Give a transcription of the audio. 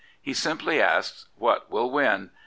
He simply asks, 'What will win?